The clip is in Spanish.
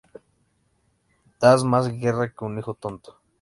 Das más guerra que un hijo tonto